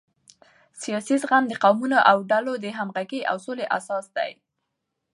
سیاسي زغم د قومونو او ډلو د همغږۍ او سولې اساس دی